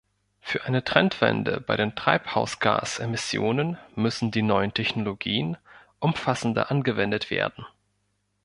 Für eine Trendwende bei den Treibhausgas-Emissionen müssen die neuen Technologien umfassender angewendet werden.